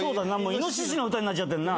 いのししの歌になっちゃってんな。